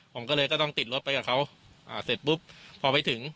ผมก็เลยก็ต้องติดรถไปกับเขาอ่าเสร็จปุ๊บพอไปถึง